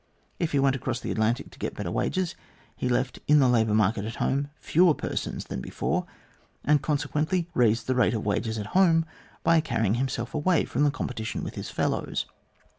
If he went across the Atlantic to get better wages, he left in the labour market at home fewer persons than before, and consequently raised the rate of wages at home by carrying himself away from the competition with his fellows.